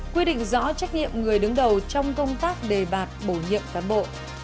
quy định rõ trách nhiệm người đứng đầu trong công tác đề bạt bổ nhiệm cán bộ